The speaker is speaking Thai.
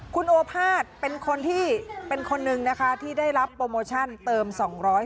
คุณโอภาษย์เป็นคนที่เป็นคนหนึ่งนะคะที่ได้รับโปรโมชั่นเติม๒๐๐